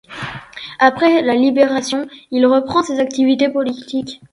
Après la libération, il reprend ses activités politiques.